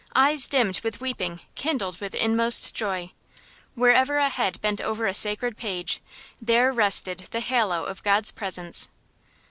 Eyes dimmed with weeping kindled with inmost joy. Wherever a head bent over a sacred page, there rested the halo of God's presence.